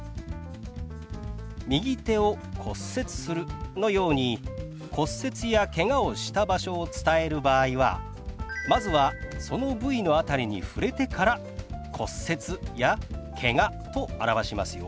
「右手を骨折する」のように骨折やけがをした場所を伝える場合はまずはその部位の辺りに触れてから「骨折」や「けが」と表しますよ。